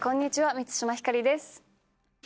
満島ひかりです。